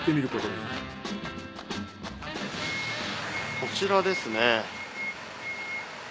こちらですね。